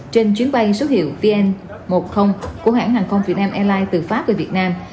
trên chuyến bay số hiệu vn một mươi của hãng hàng không việt nam airlines từ pháp về việt nam